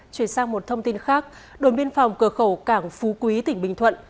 chuyển sang một thông tin khác đồn biên phòng cửa khẩu cảng phú quý tỉnh bình thuận